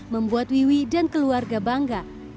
membuat wiwi dan keluarga bangga